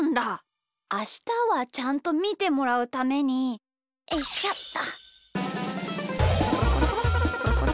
あしたはちゃんとみてもらうためにおいしょっと。